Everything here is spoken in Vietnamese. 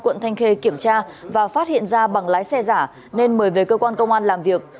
quận thanh khê kiểm tra và phát hiện ra bằng lái xe giả nên mời về cơ quan công an làm việc